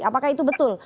apakah itu betul